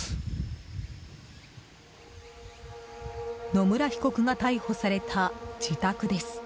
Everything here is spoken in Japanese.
野村被告が逮捕された自宅です。